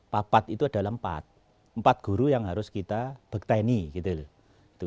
papat itu adalah empat empat guru yang harus kita bekteni gitu loh